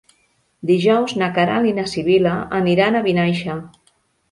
Dijous na Queralt i na Sibil·la aniran a Vinaixa.